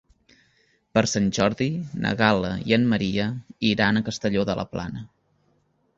Per Sant Jordi na Gal·la i en Maria iran a Castelló de la Plana.